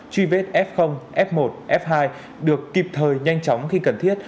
truy vết f f một f hai được kịp thời nhanh chóng khi cần thiết